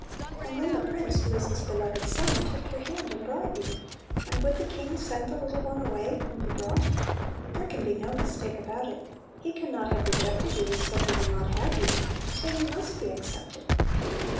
And then the prince, who is his beloved son, took your hand and brought you; and would the king send the little one away whom he brought? There can be no mistake about it; he can not have rejected you, and said he will not have you, so you must be " accepted."